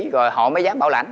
rồi họ mới dám bảo lãnh